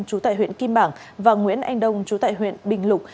trú tại huyện kim bảng và nguyễn anh đông chú tại huyện bình lục